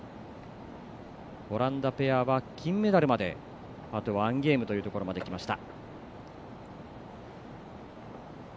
オランダペアは金メダルまであと１ゲームというところまできました。